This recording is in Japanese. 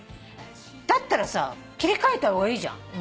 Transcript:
だったらさ切り替えた方がいいじゃん。